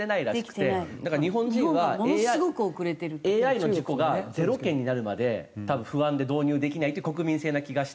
だから日本人はＡＩの事故が０件になるまで多分不安で導入できないっていう国民性な気がして。